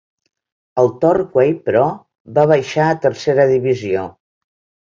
El Torquay, però, va baixar a tercera divisió.